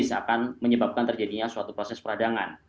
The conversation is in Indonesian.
karena ini akan menyebabkan terjadinya suatu proses peradangan